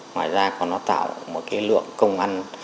ngoài ra còn nó tạo một lượng công ăn